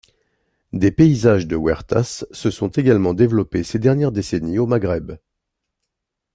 Des paysages de huertas se sont également développés ces dernières décennies au Maghreb.